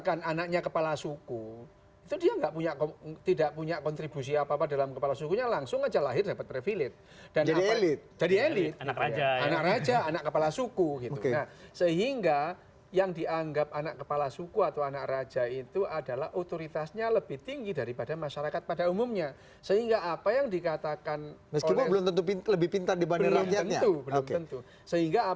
waktunya kita panjang untuk menjelaskan kenapa kemudian